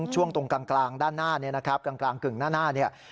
ช่วงตรงกลางด้านหน้าเนี่ยนะครับกลางกึ่งหน้าเนี่ย